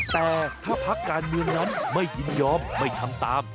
แต่ถ้าพักการเมืองนั้นไม่ยินยอมไม่ทำตาม